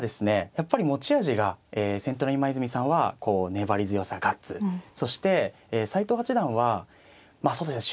やっぱり持ち味が先手の今泉さんはこう粘り強さガッツそして斎藤八段はまあそうですね